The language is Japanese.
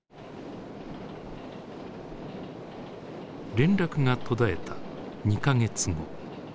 連絡が途絶えた２か月後。